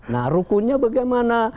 nah rukunya bagaimana